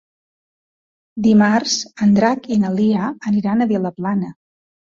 Dimarts en Drac i na Lia aniran a Vilaplana.